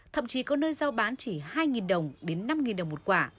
thậm chí có nơi giao bán chỉ hai năm nghìn đồng một quả